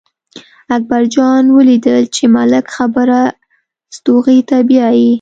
اکبر جان ولیدل چې ملک خبره ستوغې ته بیايي.